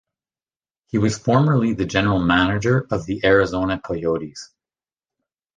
He was formerly the General Manager of the Arizona Coyotes.